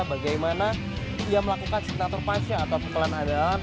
bagaimana ia melakukan signature punch nya atau pukulan andalan